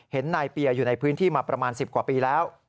เห็นนายเปียอยู่ในพื้นที่มาประมาณ๑๐กว่าปีแล้ว